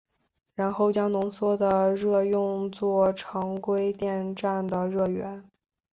然后将浓缩的热用作常规电站的热源。